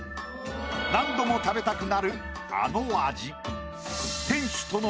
何度も食べたくなるあの味。